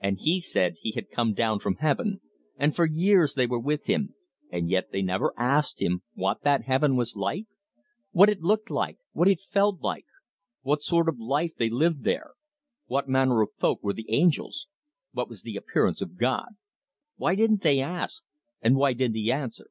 And he said he had come down from heaven, and for years they were with him, and yet they never asked him what that heaven was like: what it looked like, what it felt like, what sort of life they lived there, what manner of folk were the angels, what was the appearance of God. Why didn't they ask, and why didn't he answer?